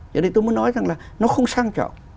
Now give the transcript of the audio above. cho nên tôi muốn nói rằng là nó không sang trọng